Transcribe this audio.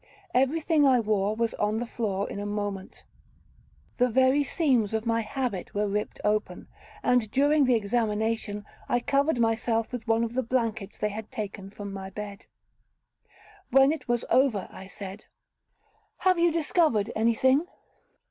Every thing I wore was on the floor in a moment: The very seams of my habit were ript open; and, during the examination, I covered myself with one of the blankets they had taken from my bed. When it was over, I said, 'Have you discovered any thing?'